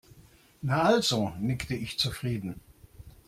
Na also, nickte ich zufrieden.